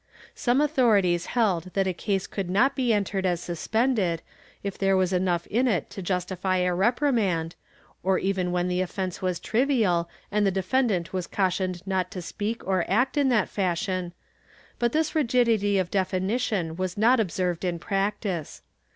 Some authorities held that a case coxild not be entered as suspended, if there was enough in it to justify a repri mand, or even when the offence was trivial and the defendant was cautioned not to speak or act in that fashion, but this rigidity of definition was not observed in practice.